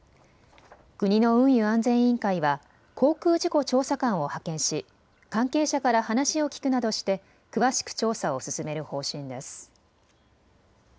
国の運輸安全委員会は航空事故調査官を派遣し関係者から話を聞くなどして詳しく調査を進める方針です。